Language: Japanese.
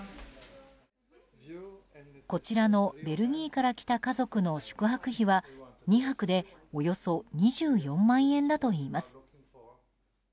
こちらのベルギーから来た家族の宿泊費は２泊でおよそ２４万円だといいます。